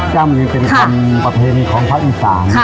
จ้ำนี้เป็นความประเภนของพระอุตส่าห์